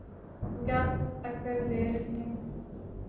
وہ کیا ٹکر لے رہے ہیں؟